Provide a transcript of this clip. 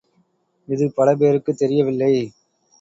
இது பலபேருக்குத் தெரியவில்லை.